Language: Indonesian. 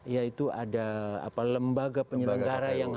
yaitu ada lembaga penyelenggara yang ada